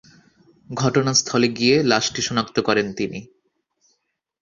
ঘটনাস্থলে গিয়ে লাশটি শনাক্ত করেন তিনি।